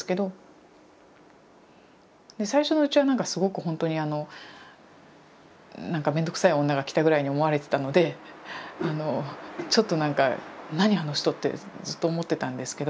最初のうちはすごくほんとにあのなんかめんどくさい女が来たぐらいに思われてたのでちょっとなんか何あの人！ってずっと思ってたんですけど。